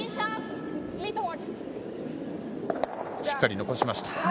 しっかり残しました。